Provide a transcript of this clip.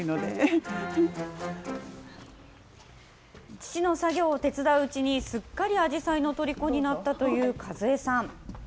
父の作業を手伝ううちに、すっかりあじさいのとりこになったという和江さん。